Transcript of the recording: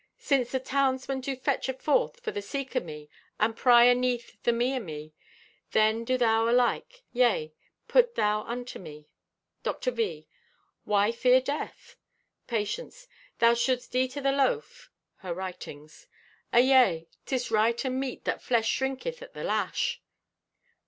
Since the townsmen do fetch aforth for the seek o' me, and pry aneath the me o' me, then do thou alike. Yea, put thou unto me." Dr. V.—"Why fear Death?" Patience.—"Thou shouldst eat o' the loaf (her writings). Ayea, 'tis right and meet that flesh shrinketh at the lash."